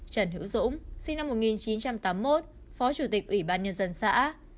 trần hữu dũng sinh năm một nghìn chín trăm tám mươi một phó chủ tịch ủy ban nhân dân xã